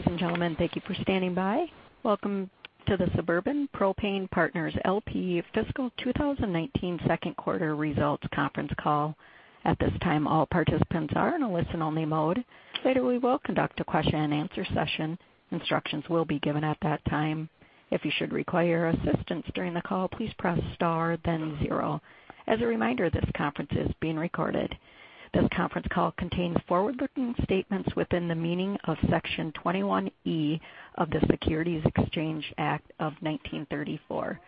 Ladies and gentlemen, thank you for standing by. Welcome to the Suburban Propane Partners, L.P. Fiscal 2019 Second Quarter Results Conference Call. At this time, all participants are in a listen-only mode. Later, we will conduct a question-and-answer session. Instructions will be given at that time. If you should require assistance during the call, please press star, then zero. As a reminder, this conference is being recorded. This conference call contains forward-looking statements within the meaning of Section 21E of the Securities Exchange Act of 1934,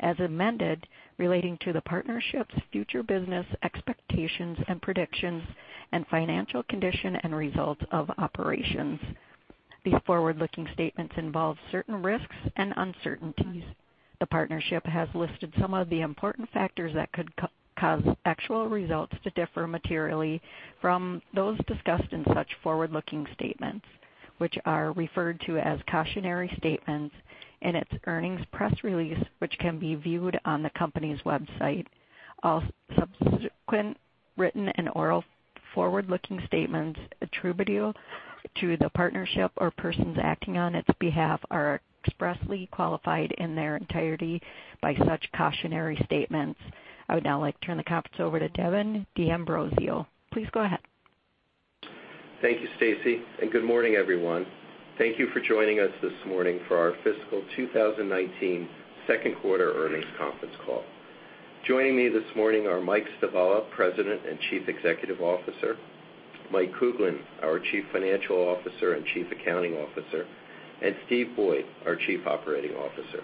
as amended, relating to the partnership's future business expectations, and predictions, and financial condition and results of operations. These forward-looking statements involve certain risks and uncertainties. The partnership has listed some of the important factors that could cause actual results to differ materially from those discussed in such forward-looking statements, which are referred to as cautionary statements in its earnings press release, which can be viewed on the company's website. All subsequent written and oral forward-looking statements attributable to the partnership or persons acting on its behalf are expressly qualified in their entirety by such cautionary statements. I would now like to turn the conference over to Davin D'Ambrosio. Please go ahead. Thank you, Stacy, and good morning, everyone. Thank you for joining us this morning for our fiscal 2019 second quarter earnings conference call. Joining me this morning are Michael Stivala, President and Chief Executive Officer, Michael Kuglin, our Chief Financial Officer and Chief Accounting Officer, and Steven Boyd, our Chief Operating Officer.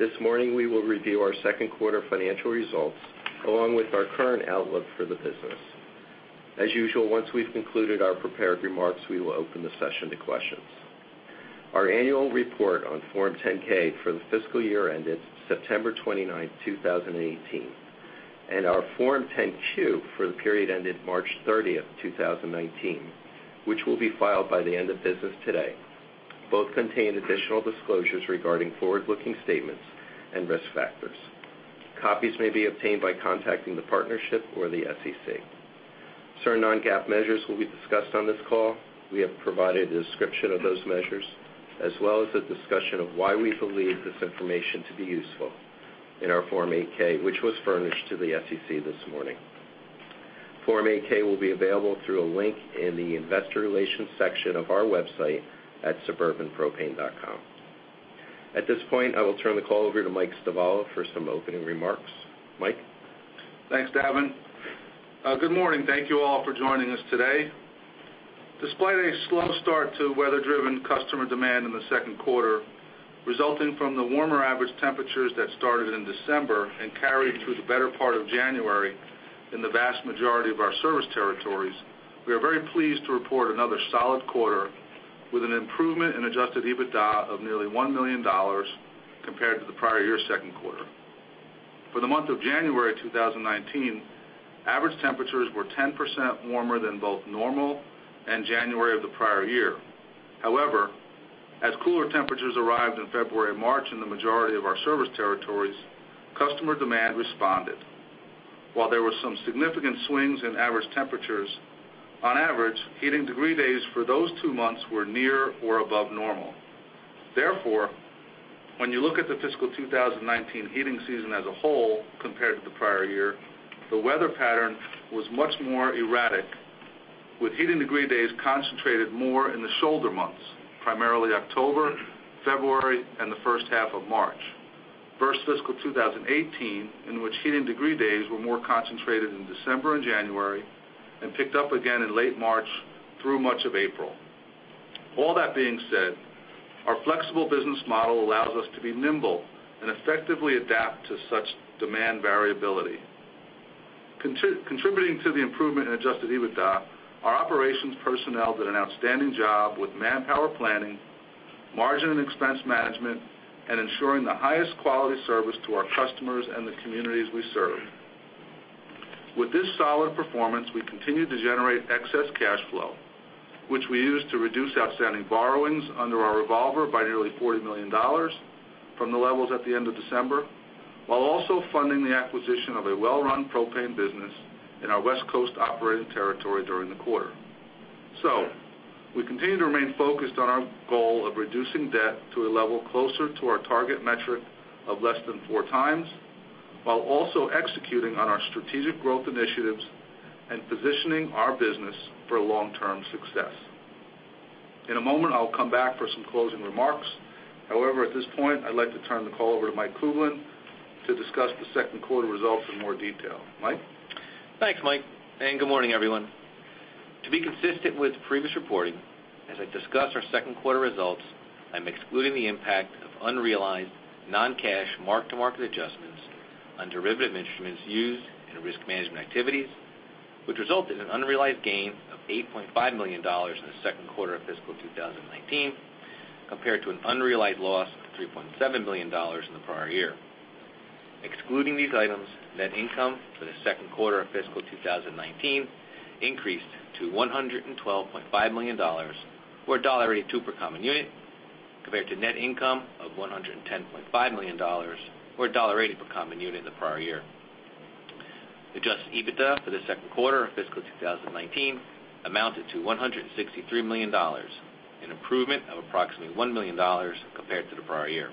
This morning, we will review our second quarter financial results, along with our current outlook for the business. As usual, once we've concluded our prepared remarks, we will open the session to questions. Our annual report on Form 10-K for the fiscal year ended September 29th, 2018, and our Form 10-Q for the period ended March 30th, 2019, which will be filed by the end of business today, both contain additional disclosures regarding forward-looking statements and risk factors. Copies may be obtained by contacting the partnership or the SEC. Certain non-GAAP measures will be discussed on this call. We have provided a description of those measures, as well as a discussion of why we believe this information to be useful in our Form 8-K, which was furnished to the SEC this morning. Form 8-K will be available through a link in the investor relations section of our website at suburbanpropane.com. At this point, I will turn the call over to Michael Stivala for some opening remarks. Mike? Thanks, Davin. Good morning. Thank you all for joining us today. Despite a slow start to weather-driven customer demand in the second quarter, resulting from the warmer average temperatures that started in December and carried through the better part of January in the vast majority of our service territories, we are very pleased to report another solid quarter, with an improvement in adjusted EBITDA of nearly $1 million compared to the prior year second quarter. For the month of January 2019, average temperatures were 10% warmer than both normal and January of the prior year. However, as cooler temperatures arrived in February and March in the majority of our service territories, customer demand responded. While there were some significant swings in average temperatures, on average, heating degree days for those two months were near or above normal. Therefore, when you look at the fiscal 2019 heating season as a whole compared to the prior year, the weather pattern was much more erratic, with heating degree days concentrated more in the shoulder months, primarily October, February, and the first half of March. First fiscal 2018, in which heating degree days were more concentrated in December and January and picked up again in late March through much of April. All that being said, our flexible business model allows us to be nimble and effectively adapt to such demand variability. Contributing to the improvement in adjusted EBITDA, our operations personnel did an outstanding job with manpower planning, margin and expense management, and ensuring the highest quality service to our customers and the communities we serve. With this solid performance, we continue to generate excess cash flow, which we use to reduce outstanding borrowings under our revolver by nearly $40 million from the levels at the end of December, while also funding the acquisition of a well-run propane business in our West Coast operating territory during the quarter. We continue to remain focused on our goal of reducing debt to a level closer to our target metric of less than four times, while also executing on our strategic growth initiatives and positioning our business for long-term success. In a moment, I'll come back for some closing remarks. However, at this point, I'd like to turn the call over to Michael Kuglin to discuss the second quarter results in more detail. Mike? Thanks, Mike, and good morning, everyone. To be consistent with previous reporting, as I discuss our second quarter results, I'm excluding the impact of unrealized non-cash mark-to-market adjustments on derivative instruments used in risk management activities, which resulted in unrealized gain of $8.5 million in the second quarter of fiscal 2019, compared to an unrealized loss of $3.7 million in the prior year. Excluding these items, net income for the second quarter of fiscal 2019 increased to $112.5 million, or $1.82 per common unit, compared to net income of $110.5 million or $1.80 per common unit in the prior year. Adjusted EBITDA for the second quarter of fiscal 2019 amounted to $163 million, an improvement of approximately $1 million compared to the prior year.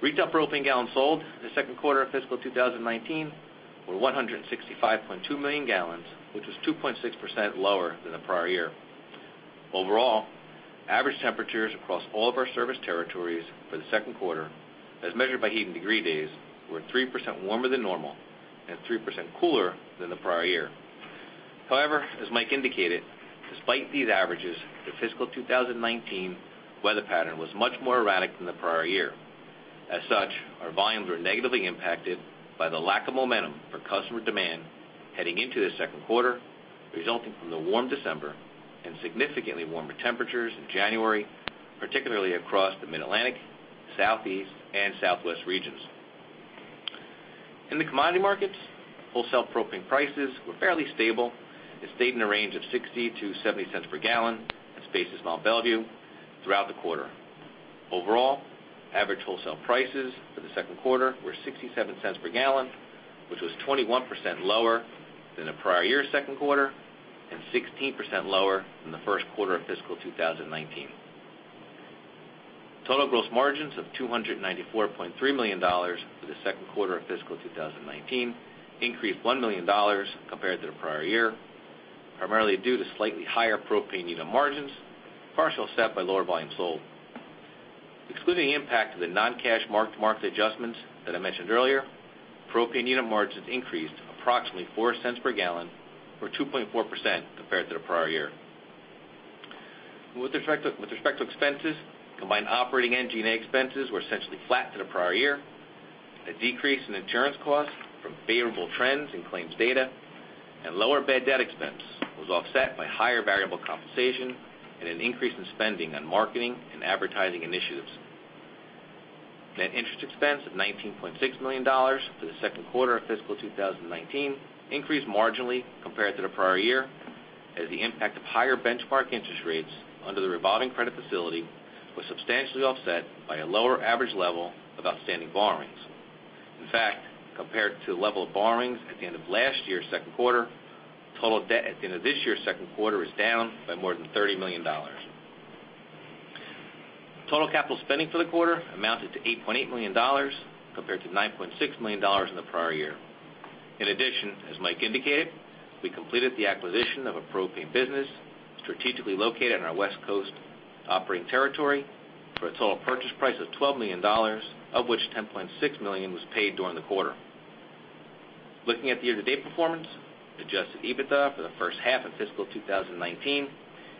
Retail propane gallons sold in the second quarter of fiscal 2019 were 165.2 million gallons, which was 2.6% lower than the prior year. Overall, average temperatures across all of our service territories for the second quarter, as measured by heating degree days, were 3% warmer than normal and 3% cooler than the prior year. However, as Mike indicated, despite these averages, the fiscal 2019 weather pattern was much more erratic than the prior year. As such, our volumes were negatively impacted by the lack of momentum for customer demand heading into the second quarter, resulting from the warm December and significantly warmer temperatures in January, particularly across the Mid-Atlantic, Southeast, and Southwest regions. In the commodity markets, wholesale propane prices were fairly stable and stayed in a range of $0.60-$0.70 per gallon at Mont Belvieu throughout the quarter. Overall, average wholesale prices for the second quarter were $0.67 per gallon, which was 21% lower than the prior year second quarter and 16% lower than the first quarter of fiscal 2019. Total gross margins of $294.3 million for the second quarter of fiscal 2019 increased $1 million compared to the prior year, primarily due to slightly higher propane unit margins, partial offset by lower volume sold. Excluding the impact of the non-cash mark-to-market adjustments that I mentioned earlier, propane unit margins increased approximately $0.04 per gallon, or 2.4%, compared to the prior year. With respect to expenses, combined operating and G&A expenses were essentially flat to the prior year. A decrease in insurance costs from favorable trends in claims data and lower bad debt expense was offset by higher variable compensation and an increase in spending on marketing and advertising initiatives. Net interest expense of $19.6 million for the second quarter of fiscal 2019 increased marginally compared to the prior year, as the impact of higher benchmark interest rates under the revolving credit facility was substantially offset by a lower average level of outstanding borrowings. In fact, compared to the level of borrowings at the end of last year's second quarter, total debt at the end of this year's second quarter is down by more than $30 million. Total capital spending for the quarter amounted to $8.8 million, compared to $9.6 million in the prior year. In addition, as Mike indicated, we completed the acquisition of a propane business strategically located on our West Coast operating territory for a total purchase price of $12 million, of which $10.6 million was paid during the quarter. Looking at the year-to-date performance, adjusted EBITDA for the first half of fiscal 2019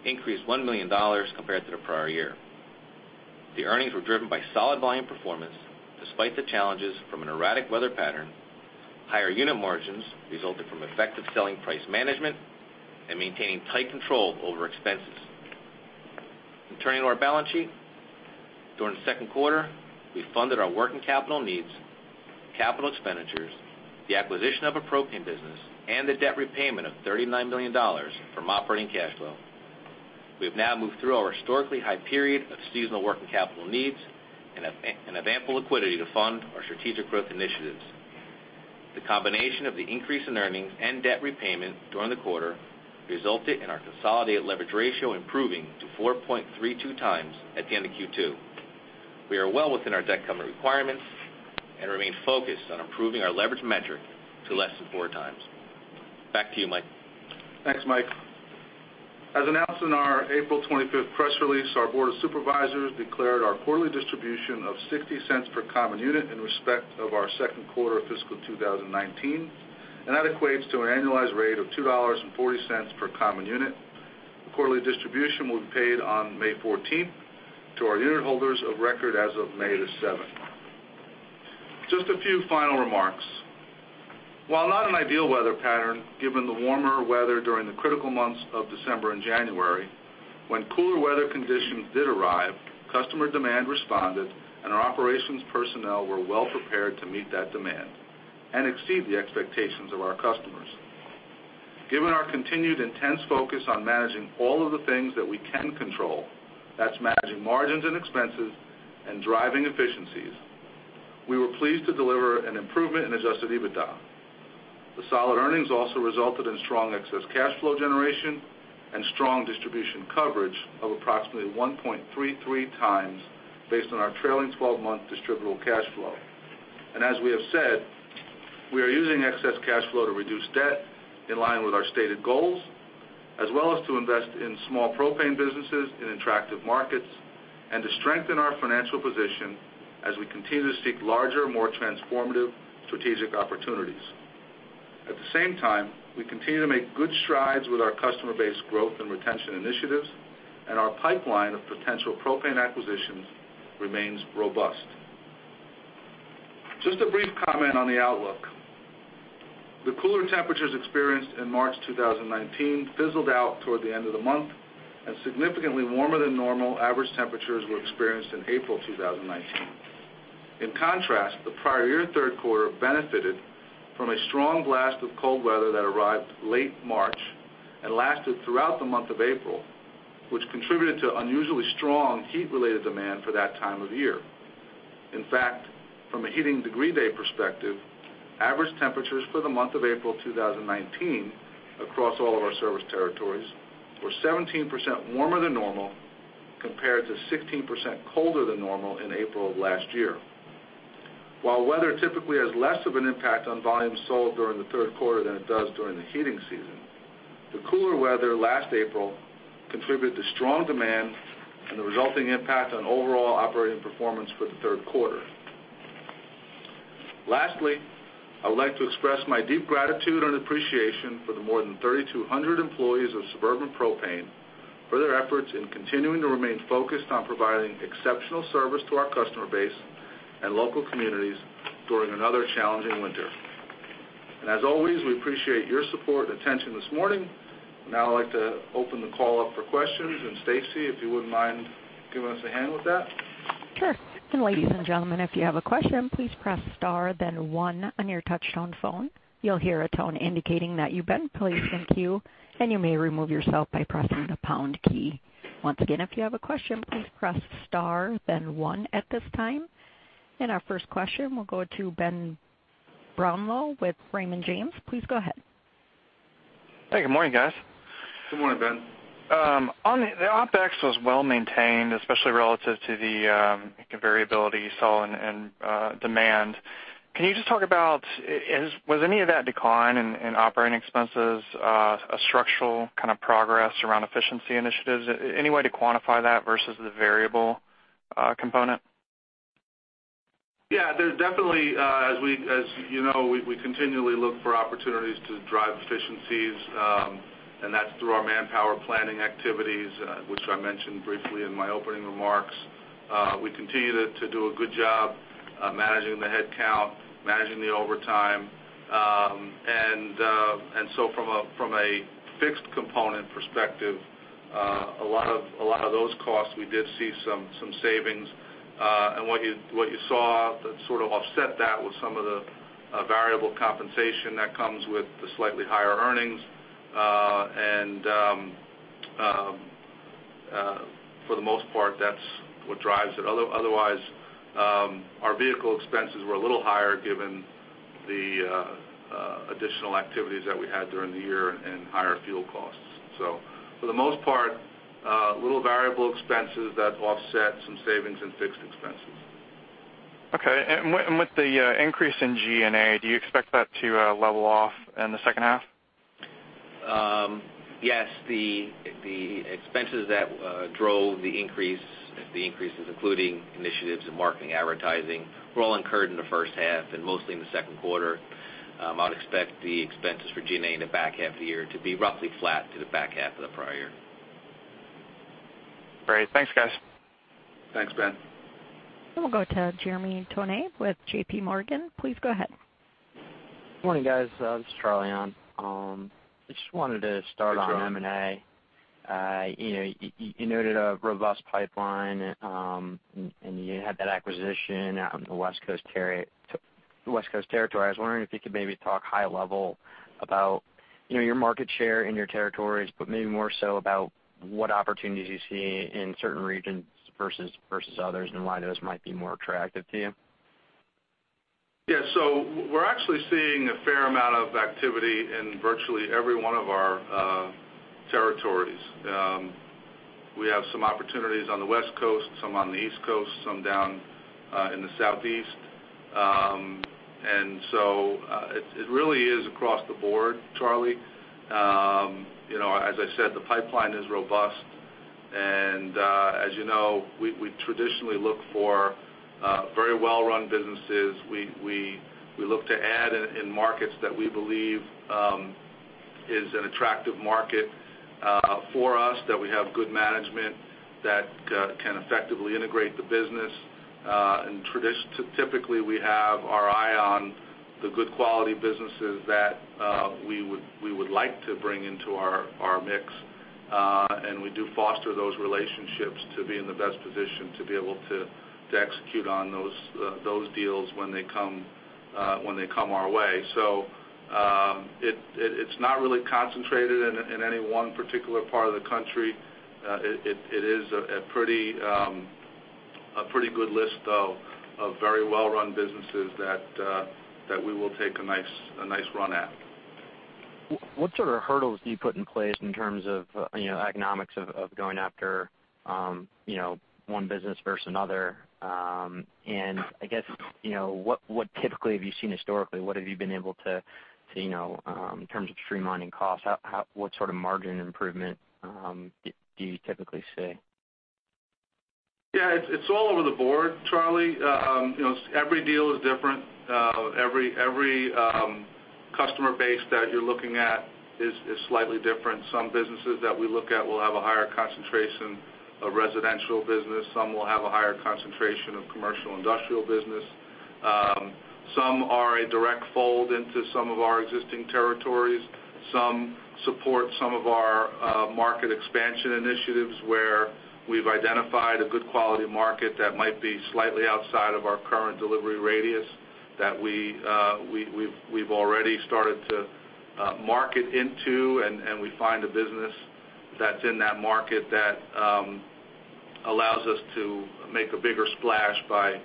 increased $1 million compared to the prior year. The earnings were driven by solid volume performance despite the challenges from an erratic weather pattern, higher unit margins resulting from effective selling price management, and maintaining tight control over expenses. Turning to our balance sheet. During the second quarter, we funded our working capital needs, capital expenditures, the acquisition of a propane business, and a debt repayment of $39 million from operating cash flow. We have now moved through our historically high period of seasonal working capital needs and have ample liquidity to fund our strategic growth initiatives. The combination of the increase in earnings and debt repayment during the quarter resulted in our consolidated leverage ratio improving to 4.32x at the end of Q2. We are well within our debt covenant requirements and remain focused on improving our leverage metric to less than four times. Back to you, Mike. Thanks, Mike. As announced in our April 25th press release, our Board of Supervisors declared our quarterly distribution of $0.60 per common unit in respect of our second quarter of fiscal 2019. That equates to an annualized rate of $2.40 per common unit. The quarterly distribution will be paid on May 14th to our unit holders of record as of May the 7th. Just a few final remarks. While not an ideal weather pattern, given the warmer weather during the critical months of December and January, when cooler weather conditions did arrive, customer demand responded, and our operations personnel were well prepared to meet that demand and exceed the expectations of our customers. Given our continued intense focus on managing all of the things that we can control, that's managing margins and expenses and driving efficiencies, we were pleased to deliver an improvement in adjusted EBITDA. The solid earnings also resulted in strong excess cash flow generation and strong distribution coverage of approximately 1.33x, based on our trailing 12-month distributable cash flow. As we have said, we are using excess cash flow to reduce debt, in line with our stated goals, as well as to invest in small propane businesses in attractive markets and to strengthen our financial position as we continue to seek larger, more transformative strategic opportunities. At the same time, we continue to make good strides with our customer base growth and retention initiatives. Our pipeline of potential propane acquisitions remains robust. Just a brief comment on the outlook. The cooler temperatures experienced in March 2019 fizzled out toward the end of the month, and significantly warmer than normal average temperatures were experienced in April 2019. In contrast, the prior year third quarter benefited from a strong blast of cold weather that arrived late March and lasted throughout the month of April, which contributed to unusually strong heat-related demand for that time of year. In fact, from a heating degree day perspective, average temperatures for the month of April 2019, across all of our service territories, were 17% warmer than normal, compared to 16% colder than normal in April of last year. While weather typically has less of an impact on volumes sold during the third quarter than it does during the heating season, the cooler weather last April contributed to strong demand and the resulting impact on overall operating performance for the third quarter. Lastly, I would like to express my deep gratitude and appreciation for the more than 3,200 employees of Suburban Propane for their efforts in continuing to remain focused on providing exceptional service to our customer base and local communities during another challenging winter. As always, we appreciate your support and attention this morning. Now I'd like to open the call up for questions. Stacy, if you wouldn't mind giving us a hand with that? Sure. Ladies and gentlemen, if you have a question, please press star then one on your touch-tone phone. You'll hear a tone indicating that you've been placed in queue, and you may remove yourself by pressing the pound key. Once again, if you have a question, please press star then one at this time. Our first question will go to Ben Brownlow with Raymond James. Please go ahead. Hey, good morning, guys. Good morning, Ben. OpEx was well maintained, especially relative to the variability you saw in demand. Can you just talk about, was any of that decline in operating expenses a structural kind of progress around efficiency initiatives? Any way to quantify that versus the variable component? Yeah. There's definitely, as you know, we continually look for opportunities to drive efficiencies, that's through our manpower planning activities, which I mentioned briefly in my opening remarks. We continue to do a good job managing the headcount, managing the overtime. From a fixed component perspective, a lot of those costs, we did see some savings. What you saw that sort of offset that was some of the variable compensation that comes with the slightly higher earnings. For the most part, that's what drives it. Otherwise, our vehicle expenses were a little higher given the additional activities that we had during the year and higher fuel costs. For the most part, a little variable expenses that offset some savings and fixed expenses. Okay. With the increase in G&A, do you expect that to level off in the second half? Yes. The expenses that drove the increase, the increases including initiatives in marketing, advertising, were all incurred in the first half and mostly in the second quarter. I'd expect the expenses for G&A in the back half of the year to be roughly flat to the back half of the prior year. Great. Thanks, guys. Thanks, Ben. We'll go to Jeremy Tonet with JPMorgan. Please go ahead. Morning, guys. This is Charlie on. Hey, Charlie. Just wanted to start on M&A. You noted a robust pipeline, and you had that acquisition out in the West Coast territory. I was wondering if you could maybe talk high level about your market share in your territories, but maybe more so about what opportunities you see in certain regions versus others, and why those might be more attractive to you. Yeah. We're actually seeing a fair amount of activity in virtually every one of our territories. We have some opportunities on the West Coast, some on the East Coast, some down in the Southeast. It really is across the board, Charlie. As I said, the pipeline is robust and, as you know, we traditionally look for very well-run businesses. We look to add in markets that we believe is an attractive market for us, that we have good management that can effectively integrate the business. Typically, we have our eye on the good quality businesses that we would like to bring into our mix. We do foster those relationships to be in the best position to be able to execute on those deals when they come our way. It's not really concentrated in any one particular part of the country. It is a pretty good list, though, of very well-run businesses that we will take a nice run at. What sort of hurdles do you put in place in terms of economics of going after one business versus another? I guess, what typically have you seen historically? What have you been able to, in terms of streamlining costs, what sort of margin improvement do you typically see? Yeah, it's all over the board, Charlie. Every deal is different. Every customer base that you're looking at is slightly different. Some businesses that we look at will have a higher concentration of residential business, some will have a higher concentration of commercial industrial business. Some are a direct fold into some of our existing territories. Some support some of our market expansion initiatives where we've identified a good quality market that might be slightly outside of our current delivery radius that we've already started to market into. We find a business that's in that market that allows us to make a bigger splash by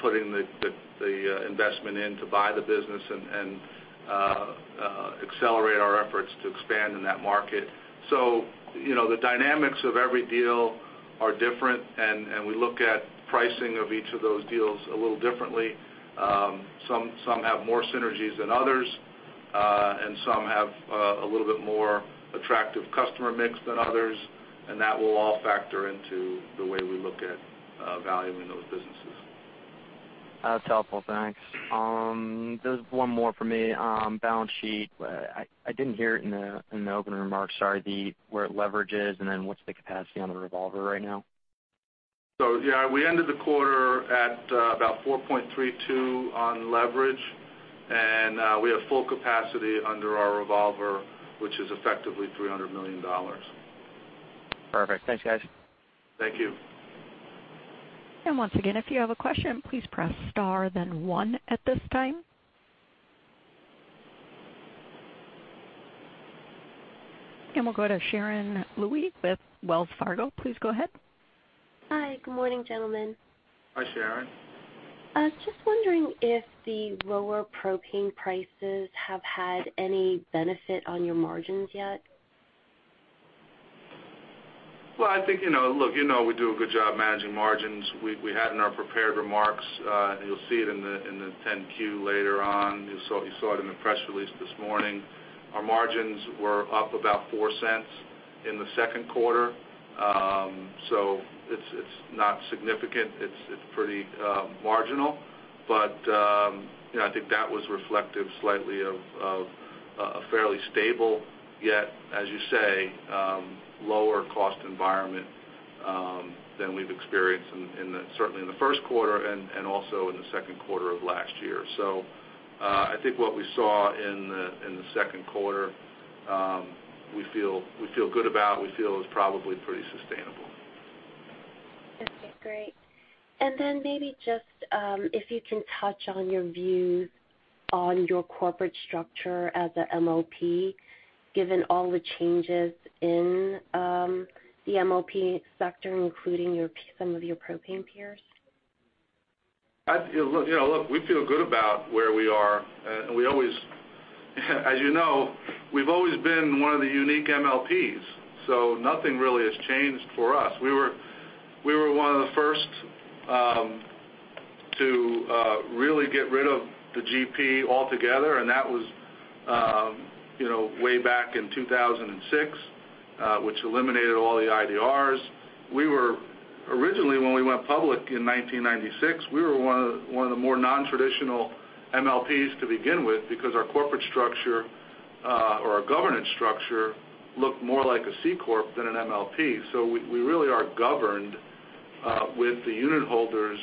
putting the investment in to buy the business and accelerate our efforts to expand in that market. The dynamics of every deal are different, and we look at pricing of each of those deals a little differently. Some have more synergies than others, some have a little bit more attractive customer mix than others. That will all factor into the way we look at valuing those businesses. That's helpful. Thanks. There's one more for me on balance sheet. I didn't hear it in the opening remarks, sorry. Where leverage is, then what's the capacity on the revolver right now? Yeah, we ended the quarter at about 4.32 on leverage, and we have full capacity under our revolver, which is effectively $300 million. Perfect. Thanks, guys. Thank you. Once again, if you have a question, please press star, then one at this time. We'll go to Sharon Lui with Wells Fargo. Please go ahead. Hi, good morning, gentlemen. Hi, Sharon. I was just wondering if the lower propane prices have had any benefit on your margins yet. Look, you know we do a good job managing margins. We had in our prepared remarks, you'll see it in the 10-Q later on, you saw it in the press release this morning. Our margins were up about $0.04 in the second quarter. It's not significant. It's pretty marginal. I think that was reflective slightly of a fairly stable, yet, as you say, lower cost environment than we've experienced certainly in the first quarter and also in the second quarter of last year. I think what we saw in the second quarter, we feel good about, we feel is probably pretty sustainable. Okay, great. Maybe just if you can touch on your views on your corporate structure as an MLP, given all the changes in the MLP sector, including some of your propane peers. Look, we feel good about where we are. As you know, we've always been one of the unique MLPs, nothing really has changed for us. We were one of the first to really get rid of the GP altogether, and that was way back in 2006, which eliminated all the IDRs. Originally, when we went public in 1996, we were one of the more nontraditional MLPs to begin with because our corporate structure or our governance structure looked more like a C corp than an MLP. We really are governed with the unit holders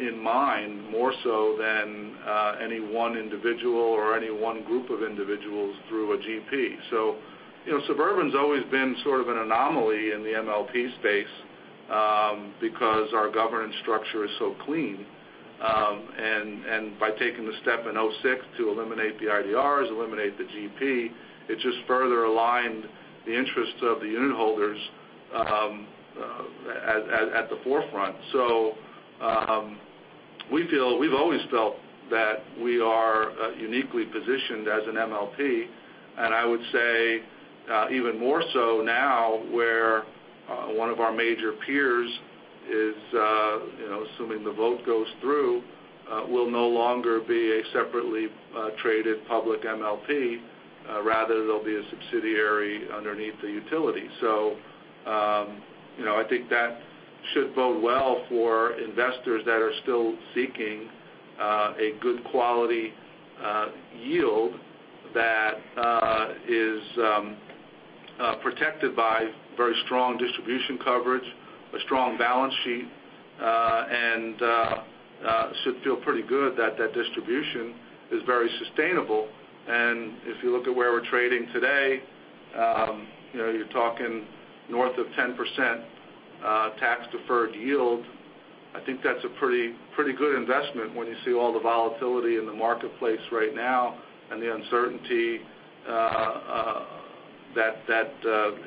in mind, more so than any one individual or any one group of individuals through a GP. Suburban's always been sort of an anomaly in the MLP space because our governance structure is so clean. By taking the step in 2006 to eliminate the IDRs, eliminate the GP, it just further aligned the interest of the unit holders at the forefront. We've always felt that we are uniquely positioned as an MLP, and I would say even more so now, where one of our major peers is, assuming the vote goes through, will no longer be a separately traded public MLP. Rather, they'll be a subsidiary underneath the utility. I think that should bode well for investors that are still seeking a good quality yield that is protected by very strong distribution coverage, a strong balance sheet, and should feel pretty good that that distribution is very sustainable. If you look at where we're trading today, you're talking north of 10% tax deferred yield. I think that's a pretty good investment when you see all the volatility in the marketplace right now and the uncertainty that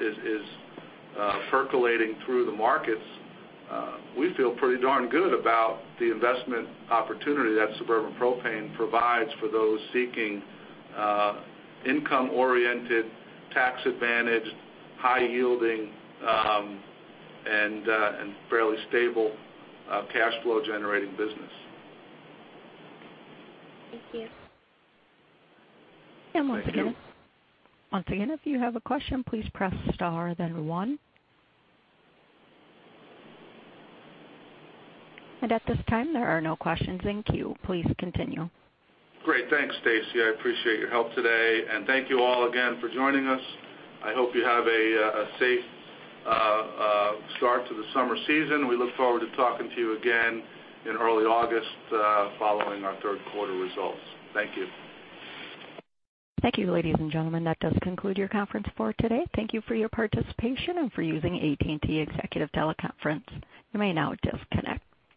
is percolating through the markets. We feel pretty darn good about the investment opportunity that Suburban Propane provides for those seeking income-oriented, tax-advantaged, high-yielding, and fairly stable cash flow generating business. Thank you. Thank you. Once again, if you have a question, please press star then one. At this time, there are no questions in queue. Please continue. Great. Thanks, Stacy. I appreciate your help today, and thank you all again for joining us. I hope you have a safe start to the summer season. We look forward to talking to you again in early August following our third quarter results. Thank you. Thank you, ladies and gentlemen. That does conclude your conference for today. Thank you for your participation and for using AT&T TeleConference Services. You may now disconnect.